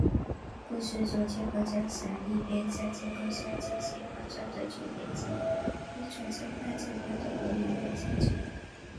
故事就建构在珊一边在监控下进行仿造的准备及和传承派政要的尔虞我诈中。